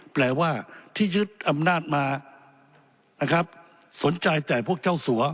แปลว่าที่ยึดอำนาจมานะครับสนใจแต่พวกเจ้าสัว